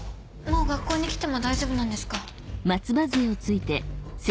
もう学校に来ても大丈夫なんですか？